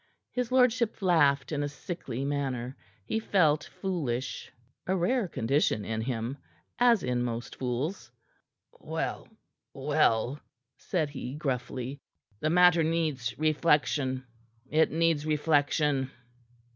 His lordship laughed in a sickly manner. He felt foolish a rare condition in him, as in most fools. "Well, well," said he gruffly. "The matter needs reflection. It needs reflection."